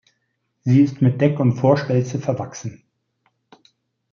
Sie ist mit Deck- und Vorspelze verwachsen.